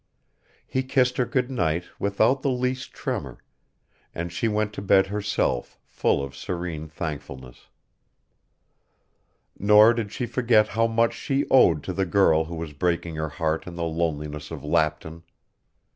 He kissed her good night without the least tremor, and she went to bed herself full of serene thankfulness. Nor did she forget how much she owed to the girl who was breaking her heart in the loneliness of Lapton.